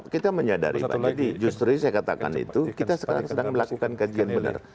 kita menyadari itu jadi justru saya katakan itu kita sekarang sedang melakukan kajian benar